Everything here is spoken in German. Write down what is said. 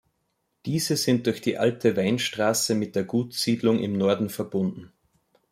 Diese sind durch die alte Weinstraße mit der Gutssiedlung im Norden verbunden.